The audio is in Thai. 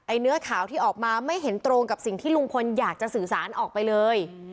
เนื้อข่าวที่ออกมาไม่เห็นตรงกับสิ่งที่ลุงพลอยากจะสื่อสารออกไปเลย